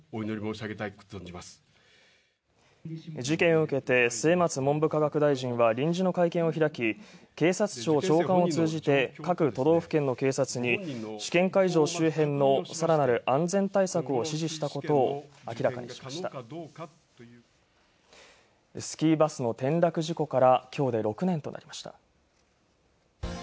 事件を受けて末松文部科学大臣は臨時の会見を開き警察庁長官を通じて、各都道府県の警察に試験場周辺のさらなる安全対策を指示したことを明らかにしましたスキーバスの転落事故から今日で６年となりました。